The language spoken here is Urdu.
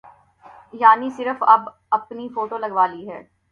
یعنی اب صرف اپنی فوٹو لگوا لی ہے۔